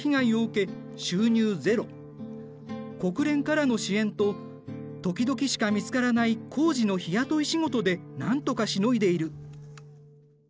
国連からの支援と時々しか見つからない工事の日雇い仕事でなんとかしのいでいる。